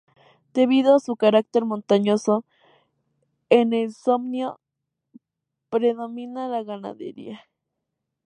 Debido a su carácter montañoso, en el Samnio predominaba la ganadería.